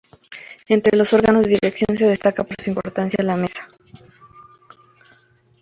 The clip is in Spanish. Entre los órganos de dirección se destaca por su importancia la Mesa.